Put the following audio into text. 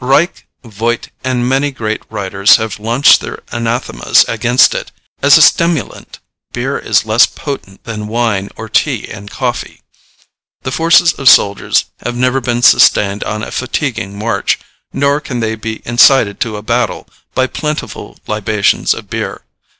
Reich, Voigt, and many great writers have launched their anathemas against it. As a stimulant beer is less potent than wine or tea and coffee. The forces of soldiers have never been sustained on a fatiguing march, nor can they be incited to a battle, by plentiful libations of beer.